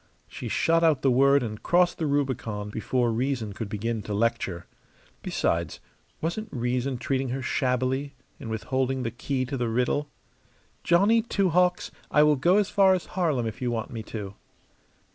She shot out the word and crossed the Rubicon before reason could begin to lecture. Besides, wasn't reason treating her shabbily in withholding the key to the riddle? "Johnny Two Hawks, I will go as far as Harlem if you want me to."